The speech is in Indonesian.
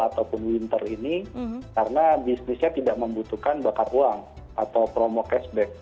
atau pun winter ini karena bisnisnya tidak membutuhkan bakat uang atau promo cashback